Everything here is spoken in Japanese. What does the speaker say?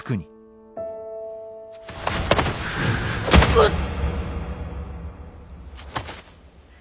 うっ！